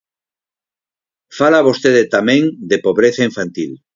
Fala vostede tamén de pobreza infantil.